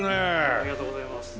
ありがとうございます。